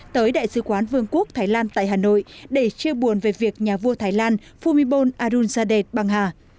tới đại sứ quán vương quốc thái lan tại hà nội để chia buồn về việc nhà vua thái lan fumibon arunzadeh băng hà